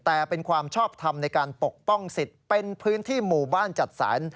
แต่เป็นความชอบทำในการปกป้องสิทธิ์เป็นพื้นที่หมู่บ้านจัดสรร